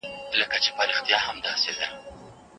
ساینسي څېړنه په دقت سره ترسره کړئ.